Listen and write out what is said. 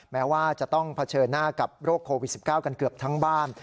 แม้ว่าจะต้องเผชิญหน้ากับโรคโควิด๑๙กันเกือบทั้งบ้าน